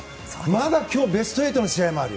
まだ今日ベスト８の試合もある。